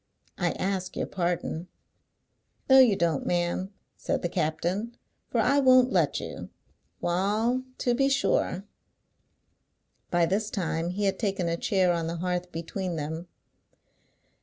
I ask your pardon." "No you don't, ma'am," said the captain, "for I won't let you. Wa'al, to be sure!" By this time he had taken a chair on the hearth between them.